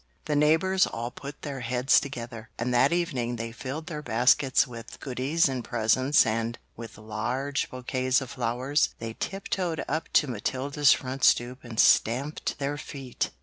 The neighbors all put their heads together, and that evening they filled their baskets with goodies and presents and, with large bouquets of flowers, they tiptoed up to Matilda's front stoop and stamped their feet.